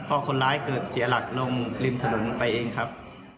เพราะคนร้ายเกิดเสียหลักลงริมถนนไปเองครับ